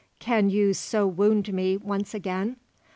Can you so wound me once again?